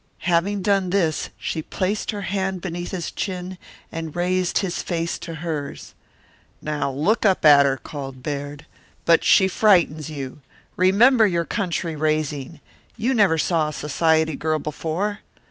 Having done this, she placed her hand beneath his chin and raised his face to hers. "Now look up at her," called Baird. "But she frightens you. Remember your country raising. You never saw a society girl before.